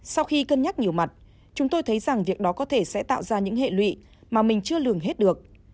sau khi cân nhắc nhiều mặt chúng tôi thấy rằng việc đó có thể sẽ tạo ra những hệ lụy mà mình chưa lường hết được